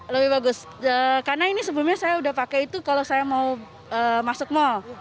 lebih bagus karena ini sebelumnya saya udah pakai itu kalau saya mau masuk mal